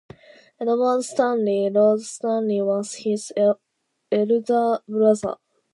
Edward Stanley, Lord Stanley was his elder brother.